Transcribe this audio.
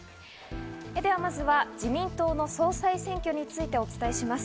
では、まずは自民党総裁選挙についてお伝えします。